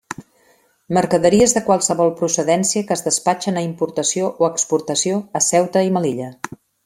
Mercaderies de qualsevol procedència que es despatxen a importació o exportació a Ceuta i Melilla.